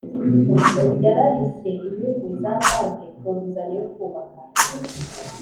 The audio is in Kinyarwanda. yararishye inyungu za banki ku nguzanyo yo kubaka